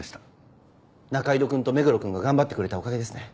仲井戸くんと目黒くんが頑張ってくれたおかげですね。